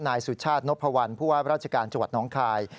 นายสุชาตินพวัลผู้ว่าราชการจังหวัดน้องคาย